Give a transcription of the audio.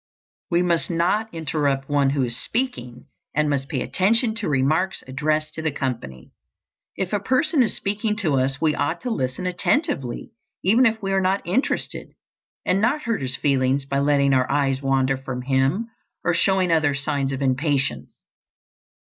We must not interrupt one who is speaking, and must pay attention to remarks addressed to the company. If a person is speaking to us we ought to listen attentively, even if we are not interested, and not hurt his feelings by letting our eyes wander from him or showing other signs of impatience.